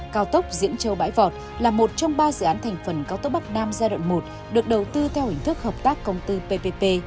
cao tốc diễn châu bãi vọt là một trong ba dự án thành phần cao tốc bắc nam giai đoạn một được đầu tư theo hình thức hợp tác công tư ppp